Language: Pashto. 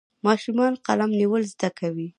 ماشومان قلم نیول زده کوي.